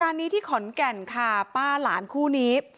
นี้ที่ขอนแก่นค่ะป้าหลานคู่นี้